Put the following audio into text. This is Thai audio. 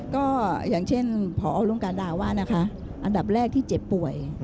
ก็อย่างเช่นพอรุ่งการดาว่านะคะอันดับแรกที่เจ็บป่วย